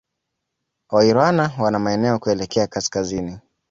Wairwana wana maeneo kuelekea Kaskazini